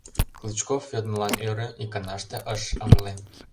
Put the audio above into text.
Клычков йодмылан ӧрӧ, иканаште ыш ыҥле.